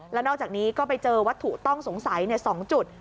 แล้วนอกจากนี้ก็ไปเจอวัตถุต้องสงสัย๒จุด